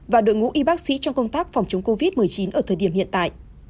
và đội ngũ y bác sĩ trong công tác phòng chống covid một mươi chín ở thời điểm hiện tại